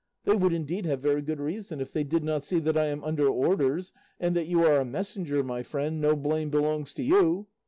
They would, indeed, have very good reason, if they did not see that I am under orders, and that 'you are a messenger, my friend, no blame belongs to you.